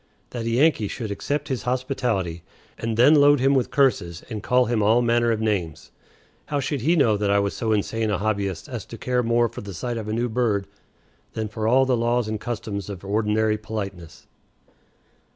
That a Yankee should accept his hospitality, and then load him with curses and call him all manner of names! How should he know that I was so insane a hobbyist as to care more for the sight of a new bird than for all the laws and customs of ordinary politeness?